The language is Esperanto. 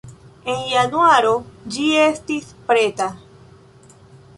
En januaro ĝi estis preta.